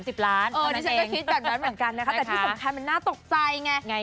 อันนี้ฉันก็คิดแบบนั้นเหมือนกันนะคะแต่ที่สำคัญมันน่าตกใจไง